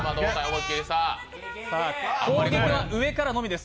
攻撃は上からのみです。